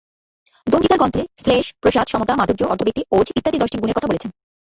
দন্ডী তাঁর গ্রন্থে শ্লেষ, প্রসাদ, সমতা, মাধুর্য, অর্থব্যক্তি, ওজঃ ইত্যাদি দশটি গুণের কথা বলেছেন।